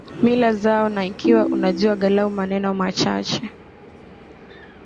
mila zao na ikiwa unajua angalau maneno machache